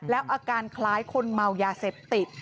แล้วอาการคล้ายคนเมายาเสพติด